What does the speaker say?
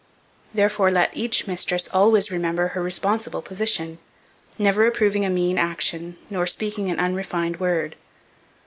Therefore, let each mistress always remember her responsible position, never approving a mean action, nor speaking an unrefined word.